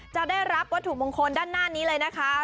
จะได้รับวัตถุมงคลด้านหน้านี้เลยนะคะ